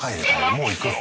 もう行くの？